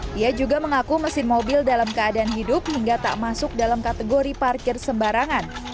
dia juga mengaku mesin mobil dalam keadaan hidup hingga tak masuk dalam kategori parkir sembarangan